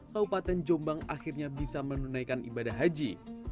kabupaten jombang akhirnya bisa menunaikan ibadah haji